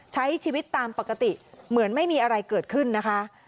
ใช้ชีวิตตามปกติเหมือนไม่มีอะไรเกิดขึ้นนะคะ